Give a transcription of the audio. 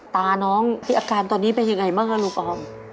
ตาน้องที่อาการตอนนี้เป็นยังไงบ้างลูกออม